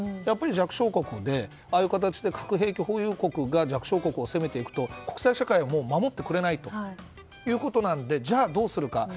やっぱり弱小国でああいう形で核兵器保有国が弱小国を攻めると国際社会はもう守ってくれないということなのでじゃあどうするか。